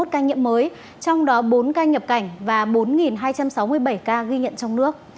hai trăm bảy mươi một ca nhiễm mới trong đó bốn ca nhập cảnh và bốn hai trăm sáu mươi bảy ca ghi nhận trong nước